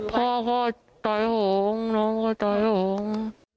พ่อเขาตายห่วงน้องก็ตายห่วง